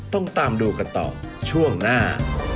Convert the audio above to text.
ต้องตามดูกันต่อช่วงหน้า